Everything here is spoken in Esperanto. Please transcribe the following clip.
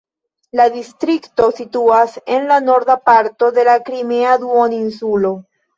La distrikto situas en la norda parto de la Krimea duoninsulo.